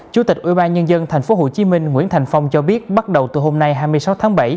chủ tịch ubnd tp hcm nguyễn thành phong cho biết bắt đầu từ hôm nay hai mươi sáu tháng bảy